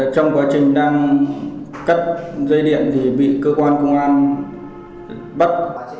trong quá trình đang cất dây điện thì bị cơ quan công an bắt